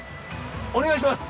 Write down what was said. お願いします！